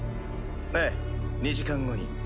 ええ２時間後に。